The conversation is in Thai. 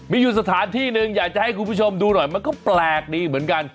มีอยู่สถานที่หนึ่งอยากจะให้คุณผู้ชมดูหน่อยมันก็แปลกดีเหมือนกัน